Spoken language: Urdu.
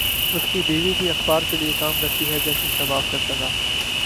اس کی بیوی بھِی اخبار کے لیے کام کرتی ہے جیسے اس کا باپ کرتا تھا